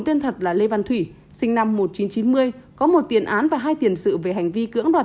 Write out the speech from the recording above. tên thật là lê văn thủy sinh năm một nghìn chín trăm chín mươi có một tiền án và hai tiền sự về hành vi cưỡng đoạt